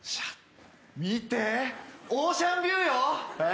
見て、オーシャンビューよ。え？